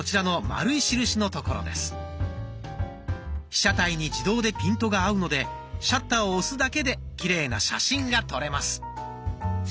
被写体に自動でピントが合うのでシャッターを押すだけできれいな写真が撮れます。